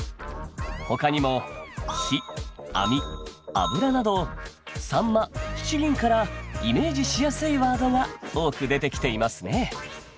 ほかにも「火」「網」「脂」など「秋刀魚」「七輪」からイメージしやすいワードが多く出てきていますね